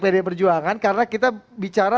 pdi perjuangan karena kita bicara